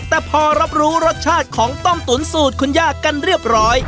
แต่พอรับรู้รสชาติของต้มตุ๋นสูตรคุณย่ากันเรียบร้อย